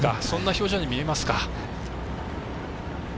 そんな表情に見えますか。